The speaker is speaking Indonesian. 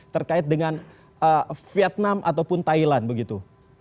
terkait dengan vietnam ataupun thailand begitu